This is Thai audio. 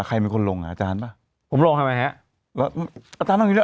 ใครมีคนลงอ่ะอาจารย์ป่ะผมลงทำไมครับ